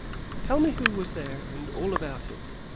'''' Tell me who was there and all about it.